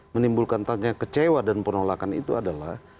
menimbulkan tanya kecewa dan penolakan itu adalah